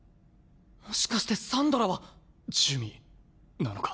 もしかしてサンドラは。珠魅なのか？